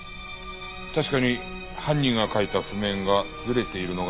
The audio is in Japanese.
確かに犯人が書いた譜面がずれているのがわかりますね。